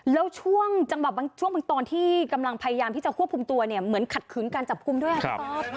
แล้วช่วงตอนที่กำลังพยายามที่จะควบคุมตัวเนี่ยเหมือนขัดขึ้นการจับกลุ่มด้วยครับ